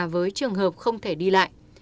với trường hợp không thể đi lại